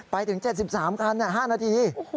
ไปถึง๗๓คัน๕นาที